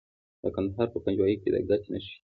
د کندهار په پنجوايي کې د ګچ نښې شته.